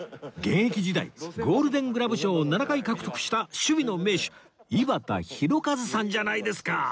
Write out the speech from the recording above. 現役時代ゴールデングラブ賞を７回獲得した守備の名手井端弘和さんじゃないですか！